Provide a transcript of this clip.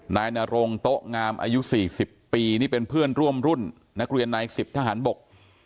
นายนรงโต๊ะงามอายุ๔๐ปีนี่เป็นเพื่อนร่วมรุ่นนักเรียนนายสิบทหารบก